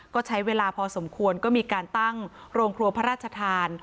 ก็ใช้เวลาพอสมควรก็มีการตั้งโรงครัวพระราชทาน